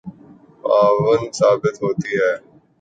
معاون ثابت ہوتی ہیں